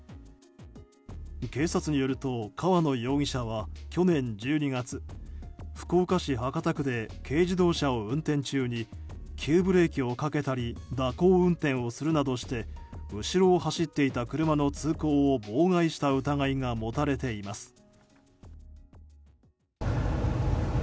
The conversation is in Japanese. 警察によると河野容疑者は去年１２月福岡市博多区で軽自動車を運転中に急ブレーキをかけたり蛇行運転をするなどして後ろを走っていた車の通行を妨害した疑いが持たれています。